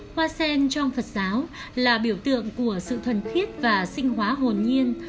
hoa sen trong phật giáo là biểu tượng của sự thuần khiết và sinh hóa hồn nhiên